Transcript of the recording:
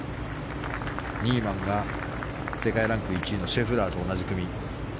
ニーマンは世界ランク１位のシェフラーと同じ組。